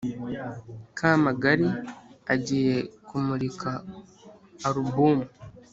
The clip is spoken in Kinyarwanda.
kamagari agiye kumurika arubumu